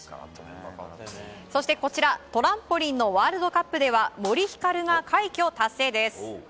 そしてこちら、トランポリンのワールドカップでは森ひかるが快挙達成です。